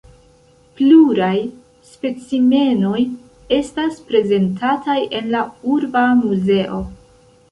Pluraj specimenoj estas prezentataj en la Urba Muzeo.